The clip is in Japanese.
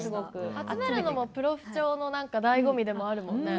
集めるのもプロフ帳のだいご味でもあるもんね。